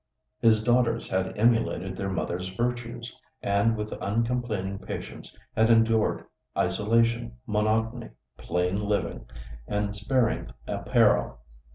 His daughters had emulated their mother's virtues and with uncomplaining patience had endured isolation, monotony, plain living, and sparing apparel.